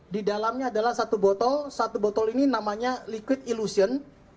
di dalamnya adalah satu botol satu botol ini namanya liquid ilusion